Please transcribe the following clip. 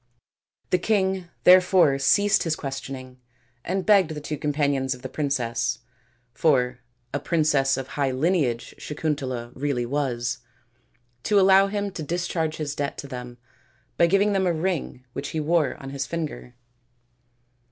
The king there fore ceased his questioning and begged the two companions of the princess for a princess of high lineage Sakuntala really was to allow him to dis charge his debt to them by giving them a ring which he wore on his finger.